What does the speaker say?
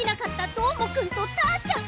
どーもくんとたーちゃん。